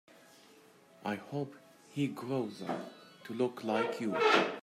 I hope he grows up to look like you.